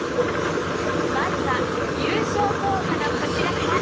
まずは優勝候補のこちらから！